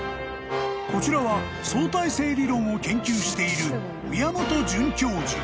［こちらは相対性理論を研究している］